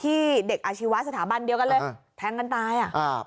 ที่เด็กอาชิวะสถาบันเดียวกันเลยแท้งกันตาย